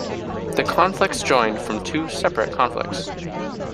The conflicts joined from two separate conflicts.